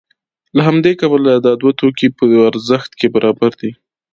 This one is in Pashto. له همدې کبله دا دوه توکي په ارزښت کې برابر دي